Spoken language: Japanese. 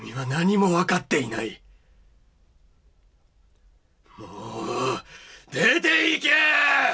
もう、出ていけ！